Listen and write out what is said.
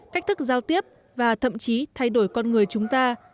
cách thức giao tiếp và thậm chí thay đổi con người chúng ta